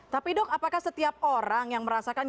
tapi dok apakah setiap orang yang merasakan